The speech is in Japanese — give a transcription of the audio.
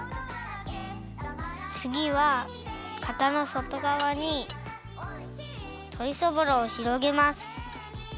つぎはかたのそとがわにとりそぼろをひろげます。